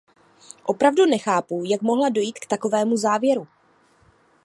Opravdu nechápu, jak mohla dojít k takovému závěru.